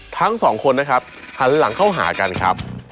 ทั้งสองคนนะครับหันหลังเข้าหากันครับ